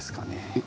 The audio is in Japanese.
えっ？